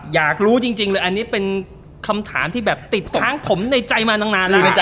อยากรู้จริงอันนี้เป็นคำถามที่ติดทั้งผมในใจมาที่นาน